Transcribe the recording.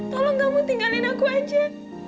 tolong kamu tinggalin aku aja